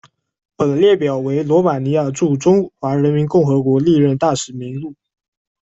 本列表为罗马尼亚驻中华人民共和国历任大使名录。